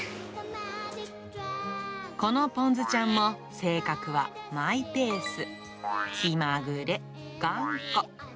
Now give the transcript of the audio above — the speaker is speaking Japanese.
このぽんずちゃんも、性格はマイペース、気まぐれ、頑固。